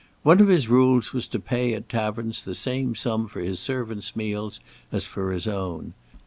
One of his rules was to pay at taverns the same sum for his servants' meals as for his own.